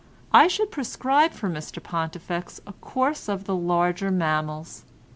I should prescribe for Mr Pontifex a course of the larger mammals.